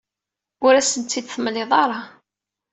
Ur asen-tt-id-temliḍ ara.